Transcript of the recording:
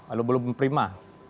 atau belum prima